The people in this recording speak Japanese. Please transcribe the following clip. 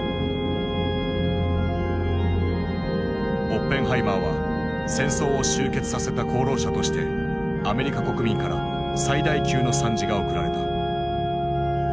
オッペンハイマーは戦争を終結させた功労者としてアメリカ国民から最大級の賛辞が贈られた。